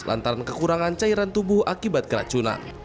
lantaran kekurangan cairan tubuh akibat keracunan